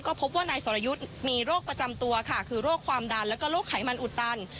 ก็พบว่านายสรยุทธ์มีโรคประจำตัวค่ะคือโรคความดันแล้วก็โรคไขมันอุดตัน